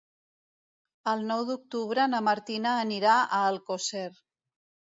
El nou d'octubre na Martina anirà a Alcosser.